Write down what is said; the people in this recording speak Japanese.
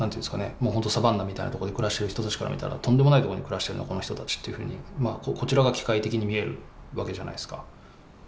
もうほんとサバンナみたいな所で暮らしてる人たちから見たら「とんでもない所に暮らしてるなこの人たち」っていうふうにこちらが「奇界的」に見えるわけじゃないですか。